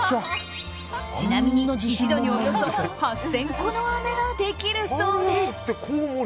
ちなみに一度におよそ８０００個のあめができるそうです。